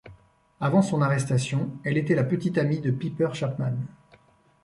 Avant son arrestation, elle était la petite amie de Piper Chapman.